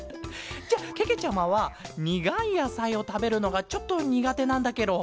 じゃけけちゃまはにがいやさいをたべるのがちょっとにがてなんだケロ。